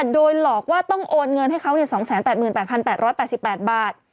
โดยหลอกว่าต้องโอนเงินให้เขา๒๘๘๘บาท